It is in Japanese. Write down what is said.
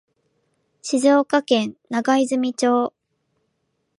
静岡県長泉町